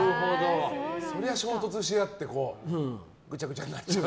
そりゃ衝突し合ってぐちゃぐちゃになっちゃう。